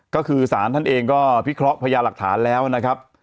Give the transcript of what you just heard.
ก็คือสารท่านเองก็พิเคราะห์พญาหลักฐานแล้วนะครับ